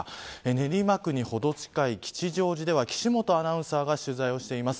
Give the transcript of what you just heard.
練馬区にほど近い吉祥寺では岸本アナウンサーが取材をしています。